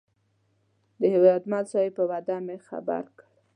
د هیوادمل صاحب په وعده مې خبر کړ.